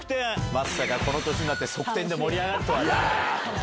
まさかこの年になって側転で盛り上がるとはな。